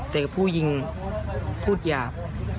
แต่ผู้ยิงพูดหยาบ